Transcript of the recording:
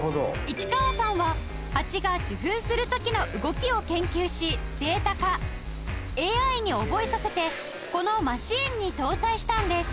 市川さんはハチが受粉する時の動きを研究しデータ化ＡＩ に覚えさせてこのマシーンに搭載したんです